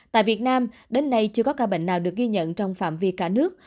tại việt nam đến nay chưa có ca bệnh nào được ghi nhận trong phạm vi cả nước